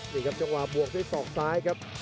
นี่ครับจังหวะบวกด้วยศอกซ้ายครับ